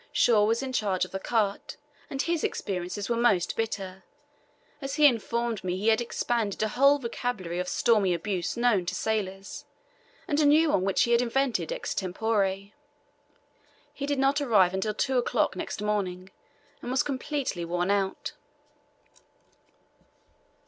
Shaw was in charge of the cart, and his experiences were most bitter, as he informed me he had expended a whole vocabulary of stormy abuse known to sailors, and a new one which he had invented ex tempore. He did not arrive until two o'clock next morning, and was completely worn out.